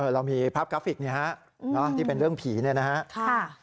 เรามีภาพกราฟิกเนี่ยฮะที่เป็นเรื่องผีเนี่ยนะฮะ